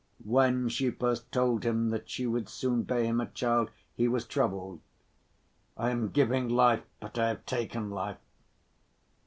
When she first told him that she would soon bear him a child, he was troubled. "I am giving life, but I have taken life."